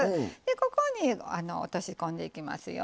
ここに落とし込んでいきますよ。